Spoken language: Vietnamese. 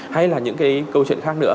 hay là những câu chuyện khác nữa